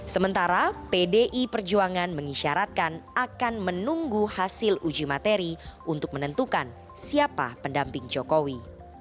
sementara pdi perjuangan mengisyaratkan akan menunggu hasil uji materi untuk menentukan siapa pendamping jokowi